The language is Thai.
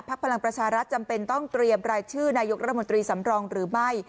พลังประชารัฐจำเป็นต้องเตรียมรายชื่อนายกรัฐมนตรีสำรองหรือไม่